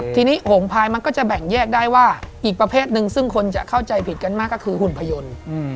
ทีนี้โหงพายมันก็จะแบ่งแยกได้ว่าอีกประเภทหนึ่งซึ่งคนจะเข้าใจผิดกันมากก็คือหุ่นพยนตร์